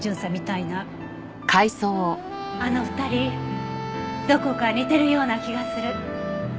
あの２人どこか似てるような気がする。